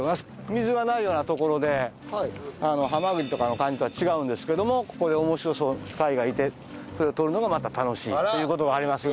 水がないような所でハマグリとかの感じとは違うんですけどもここで面白そうな貝がいてそれを採るのもまた楽しいっていう事もありますね。